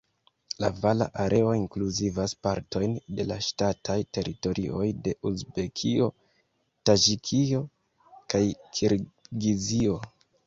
La vala areo inkluzivas partojn de la ŝtataj teritorioj de Uzbekio, Taĝikio kaj Kirgizio.